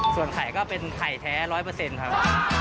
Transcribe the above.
ส่วนไข่ก็เป็นไข่แท้๑๐๐ครับ